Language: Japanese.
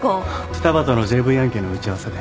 フタバとのＪＶ案件の打ち合わせで。